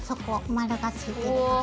丸がついてるとこ。